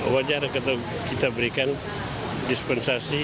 wajar kita berikan dispensasi